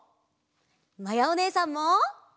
まやおねえさんも。